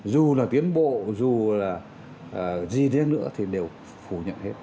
dù là tiến bộ dù là gì nữa thì đều phủ nhận hết